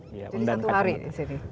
jadi satu hari di sini